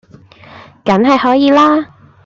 梗係可以啦